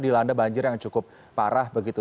dilanda banjir yang cukup parah begitu